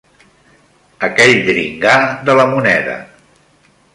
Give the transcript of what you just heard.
Aquell dringar de la moneda